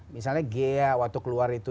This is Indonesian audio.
misalnya ghea waktu keluar itu